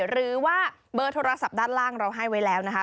หรือว่าเบอร์โทรศัพท์ด้านล่างเราให้ไว้แล้วนะคะ